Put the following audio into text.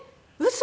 嘘！